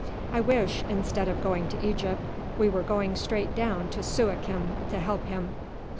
I wish, instead of going to Egypt, we were going straight down to Suakim to help him.